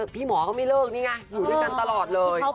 พี่หมอก็ไม่เลิกนี่ไงอยู่ด้วยกันตลอดเลย